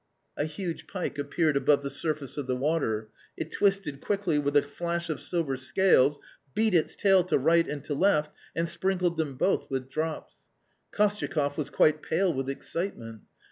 A huge pike appeared above the surface of the water. It twisted quickly with a flash of silver scales, beat its tail to right and to left, and sprinkled them both with drops. Kostyakoff was quite pale with excitement.